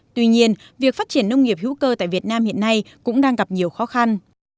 tuy nhiên việc phát triển nông nghiệp hữu cơ tại việt nam hiện nay cũng đang gặp nhiều khó khăn